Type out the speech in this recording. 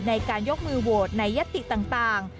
ในการยกมือโหวตในยติต่าง